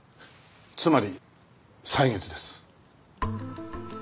つまり歳月です。